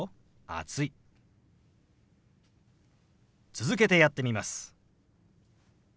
続けてやってみます。